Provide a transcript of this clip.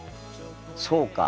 そうか。